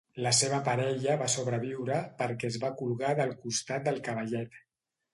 La seva parella va sobreviure perquè es va colgar del costat del cavallet.